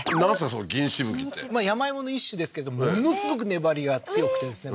その銀沫って山芋の一種ですけどものすごく粘りが強くてですね